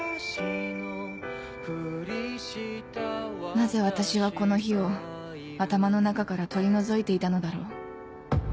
なぜ私はこの日を頭の中から取り除いていたのだろう